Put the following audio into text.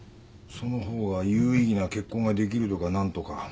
その方が有意義な結婚ができるとか何とか。